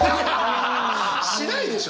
しないでしょ。